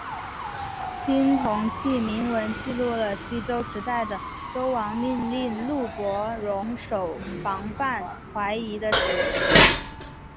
青铜器铭文记录了西周时代的周王命令录伯戍守防范淮夷的史实。